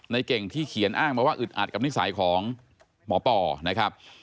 ในเก่งที่เขียนอ้างมาว่าอึดอัดกับนิสัยของหมอปอนะครับ